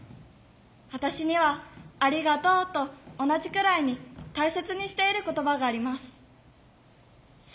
私には「ありがとう」と同じくらいに大切にしている言葉があります。